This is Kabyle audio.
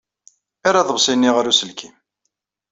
Err aḍebsi-nni ɣer uselkim.